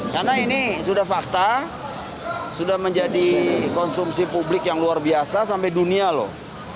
karena ini sudah fakta sudah menjadi konsumsi publik yang luar biasa sampai dunia loh